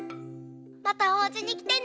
またおうちにきてね。